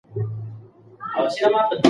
کعبه له فضا ښکاره او ځلېدونکې ده.